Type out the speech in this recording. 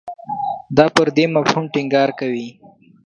دا پر دې مفهوم ټینګار کوي.